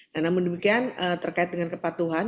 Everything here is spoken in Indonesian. nah namun demikian terkait dengan kepatuhan